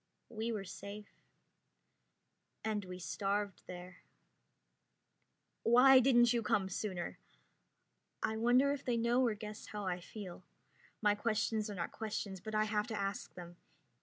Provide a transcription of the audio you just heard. We were safe. And we starved there. "Why didn't you come sooner?" I wonder if they know or guess how I feel. My questions are not questions, but I have to ask them.